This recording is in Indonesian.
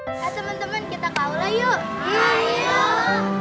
nah temen temen kita ke aula yuk